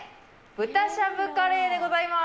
豚しゃぶカレーでございます。